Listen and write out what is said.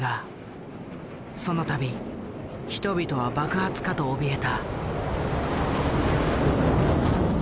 その度人々は爆発かとおびえた。